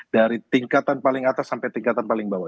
dari tingkatan paling atas sampai tingkatan paling bawah